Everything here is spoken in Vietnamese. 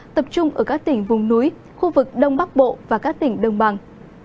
tập trung ở các tỉnh vùng núi khu vực đông bắc bộ và các tỉnh đông bằng